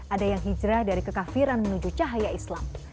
ada yang hijrah dari kekafiran menuju cahaya islam